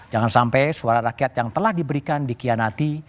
jangan sampai suara rakyat yang telah diberikan dikianati